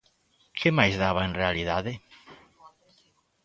¡Que máis daba, en realidade!